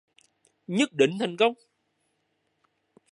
nhất định thành công